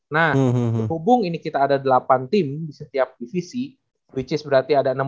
nah terhubung ini kita ada delapan tim di setiap divisi which is berarti ada enam belas